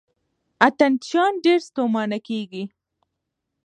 اتڼ چیان ډېر ستومانه کیږي.